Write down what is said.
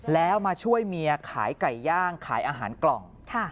แล้วมาช่วยเมียขายไก่ย่างขายอาหารกล่อง